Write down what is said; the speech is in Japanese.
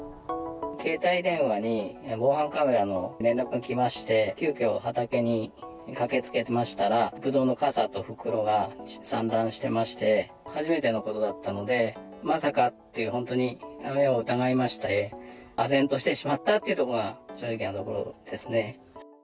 携帯電話に防犯カメラの連絡が来まして、急きょ、畑に駆けつけましたら、ブドウの傘と袋が散乱してまして、初めてのことだったので、まさかって、本当に目を疑いまして、あぜんとしてしまったというのが正直なところですね。